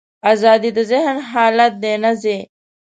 ازادي د ذهن حالت دی، نه ځای.